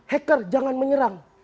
hacker jangan menyerang